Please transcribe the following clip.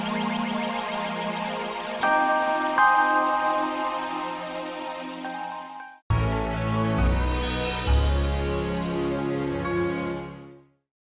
tidak ada apa sih mas